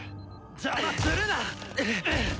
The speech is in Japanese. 邪魔するな！